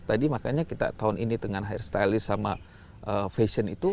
tadi makanya kita tahun ini dengan hair stylist sama fashion itu